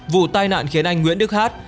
vụ tai nạn khiến anh nguyễn đức hát